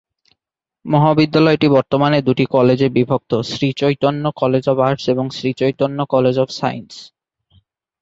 মহাবিদ্যালয়টি বর্তমানে দুটি কলেজে বিভক্ত, শ্রীচৈতন্য কলেজ অফ আর্টস এবং শ্রীচৈতন্য কলেজ অফ সাইন্স।